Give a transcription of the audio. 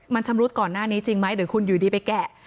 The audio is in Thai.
มันชำรุดก่อนหน้านี้จริงไหมหรือคุณอยู่ดีไปแกะ